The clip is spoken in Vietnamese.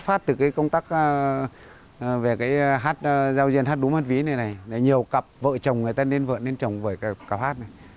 những câu hát về giao diện hát đúng hát ví này này nhiều cặp vợ chồng người ta nên vợ nên chồng với cặp hát này